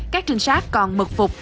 các trinh sát còn mực phục